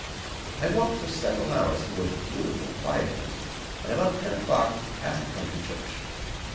I walked for several hours through a beautiful, quiet country, and about ten o'clock passed a country church.